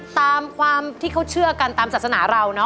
ตามความที่เขาเชื่อกันตามศาสนาเราเนาะ